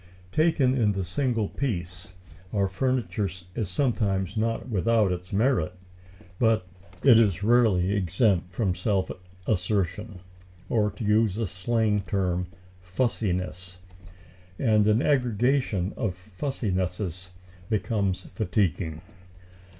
Taken in the single piece, our furniture is sometimes not without its merit, but it is rarely exempt from self assertion, or, to use a slang term, "fussiness." And an aggregation of "fussinesses" becomes fatiguing.